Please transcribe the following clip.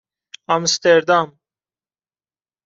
آمستردام